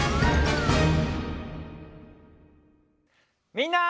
みんな！